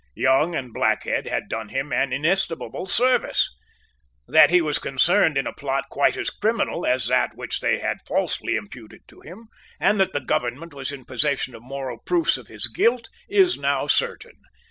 Young and Blackhead had done him an inestimable service. That he was concerned in a plot quite as criminal as that which they had falsely imputed to him, and that the government was to possession of moral proofs of his guilt, is now certain.